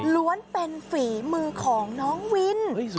เป็นฝีมือของน้องวิน